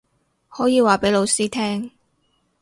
可以話畀老師聽